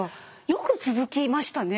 よく続きましたね。